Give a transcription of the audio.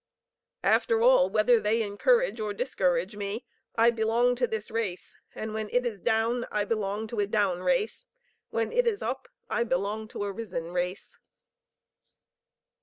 "After all whether they encourage or discourage me, I belong to this race, and when it is down I belong to a down race; when it is up I belong to a risen race."